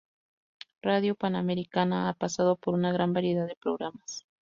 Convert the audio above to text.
Radio Panamericana, ha pasado por una gran variedad de programas.